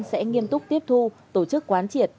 sẽ nghiêm túc tiếp thu tổ chức quán triệt